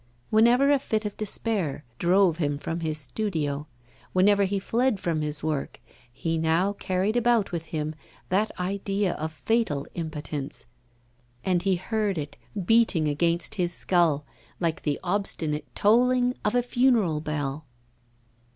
Whenever a fit of despair drove him from his studio, whenever he fled from his work, he now carried about with him that idea of fatal impotence, and he heard it beating against his skull like the obstinate tolling of a funeral bell.